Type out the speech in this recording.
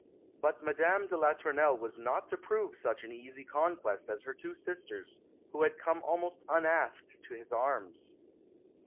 But Madame de la Tournelle was not to prove such an easy conquest as her two sisters, who had come almost unasked to his arms.